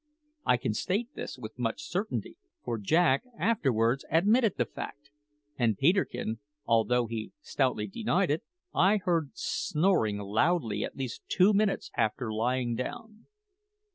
I can state this with much certainty; for Jack afterwards admitted the fact, and Peterkin, although he stoutly denied it, I heard snoring loudly at least two minutes after lying down.